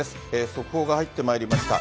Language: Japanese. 速報が入ってまいりました。